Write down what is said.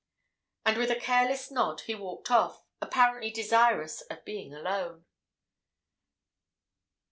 And with a careless nod, he walked off, apparently desirous of being alone.